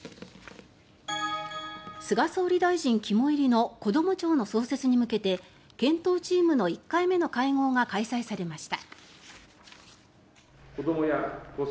菅総理大臣肝煎りのこども庁の創設に向けて検討チームの１回目の会合が開催されました。